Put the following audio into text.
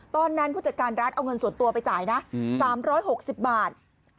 ตอนนั้นผู้จัดการร้านเอาเงินส่วนตัวไปจ่ายนะ๓๖๐บาท